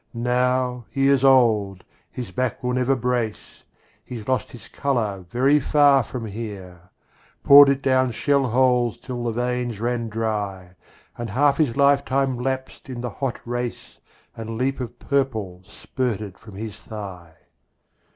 Now he is old; his back will never brace; He's lost his colour very far from here, Poured it down shell holes till the veins ran dry, And half his lifetime lapsed in the hot race, And leap of purple spurted from his thigh.